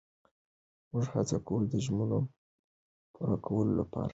موږ هڅه کوو د ژمنو پوره کولو لپاره.